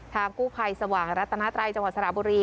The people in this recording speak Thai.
กู้ภัยสว่างรัตนาไตรจังหวัดสระบุรี